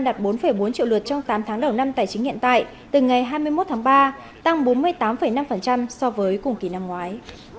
iran đạt bốn bốn triệu lượt trong tám tháng đầu năm tài chính hiện tại từ ngày hai mươi một tháng ba tăng bốn mươi tám năm so với cùng kỳ năm ngoái